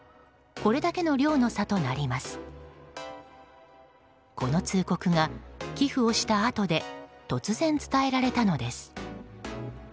この通告が寄付をしたあとで突然伝えられたのです。